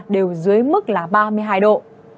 đều dưới mức là ba mươi hai độ